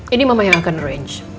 ini mama yang akan range